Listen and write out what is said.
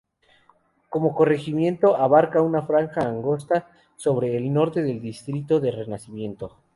Como corregimiento, abarca una franja angosta sobre el norte del distrito de Renacimiento.